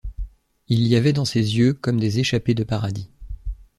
Il y avait dans ses yeux comme des échappées de paradis.